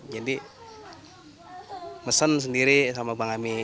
mesen sendiri sama bang ami